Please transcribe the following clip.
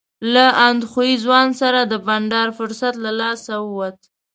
له اندخویي ځوان سره د بنډار فرصت له لاسه ووت.